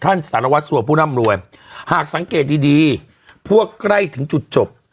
สารวัสสัวผู้ร่ำรวยหากสังเกตดีดีพวกใกล้ถึงจุดจบ